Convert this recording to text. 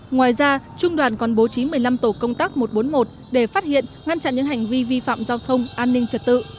ngoài ra trung đoàn còn bố trí một mươi năm tổ công tác một trăm bốn mươi một để phát hiện ngăn chặn những hành vi vi phạm giao thông an ninh trật tự